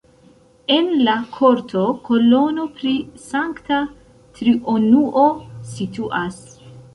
En la korto kolono pri Sankta Triunuo situas.